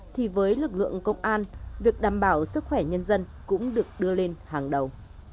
thì với lực lượng công an việc đảm bảo sức khỏe nhân dân cũng được đưa lên hàng đầu